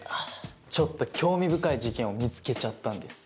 ちょっと興味深い事件を見つけちゃったんです。